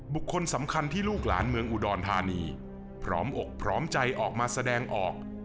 บุคคลสำคัญที่ลูกหลานเมืองอุดรธานีพร้อมอกพร้อมใจออกมาแสดงออก